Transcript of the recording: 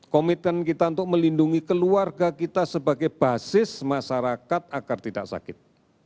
komitmen kita untuk melindungi keluarga kita sebagai basis masyarakat agar tidak sakit